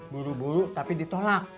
buru buru tapi ditolak